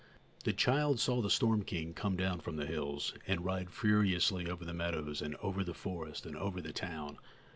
The child saw the storm king come down from the hills and ride furiously over the meadows and over the forest and over the town.